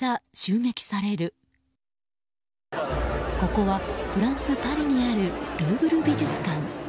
ここはフランス・パリにあるルーブル美術館。